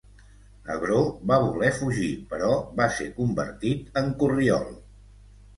Agró va voler fugir, però va ser convertit en corriol.